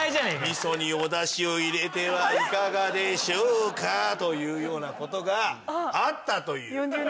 「みそにおだしを入れてはいかがでしょうか？」というような事があったという。